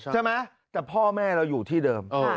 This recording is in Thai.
ใช่ไหมแต่พ่อแม่เราอยู่ที่เดิม